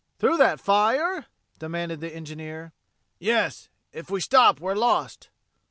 "Through that fire?" demanded the engineer. "Yes! If we stop we're lost."